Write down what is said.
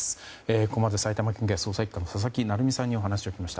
ここまで元埼玉県警捜査１課の佐々木成三さんに聞きました。